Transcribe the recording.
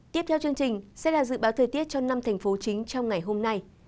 tiếp theo chương trình sẽ là dự báo thời tiết cho năm thành phố chính trong ngày hôm nay